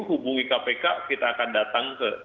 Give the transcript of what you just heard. hubungi kpk kita akan datang ke